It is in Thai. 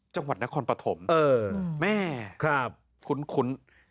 จังหวัดนครปะถมแม่คุ้น